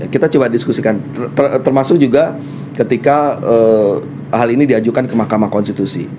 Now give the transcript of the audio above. kita coba diskusikan termasuk juga ketika hal ini diajukan ke mahkamah konstitusi